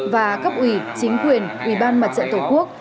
và cấp ủy chính quyền ủy ban mặt trận tổ quốc